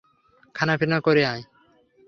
খানাপিনা করে আয়।